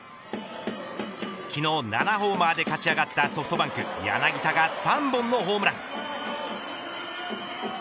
昨日、７ホーマーで勝ち上がったソフトバンク柳田が３本のホームラン。